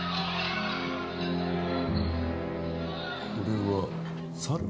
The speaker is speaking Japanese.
これは猿？